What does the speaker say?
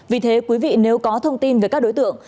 vì thế quý vị nếu có thông tin về các đối tượng